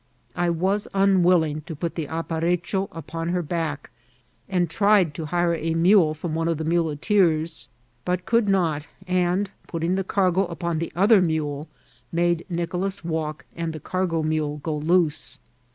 I was unwilling to put the apparecho upon her back, and tried to hire a mule from one of the muleteers, but could not, and, putting the cargo upon the other mule, made Nicolas walk, and the cargo mule go loose.